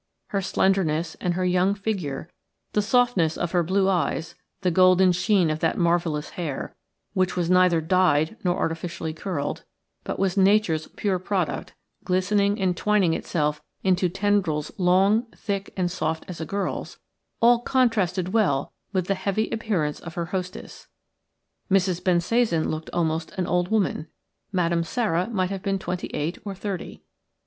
Her slenderness and her young figure, the softness of her blue eyes, the golden sheen of that marvellous hair, which was neither dyed nor artificially curled, but was Nature's pure product, glistening and twining itself into tendrils long, thick, and soft as a girl's, all contrasted well with the heavy appearance of her hostess. Mrs. Bensasan looked almost an old woman; Madame Sara might have been twenty eight or thirty.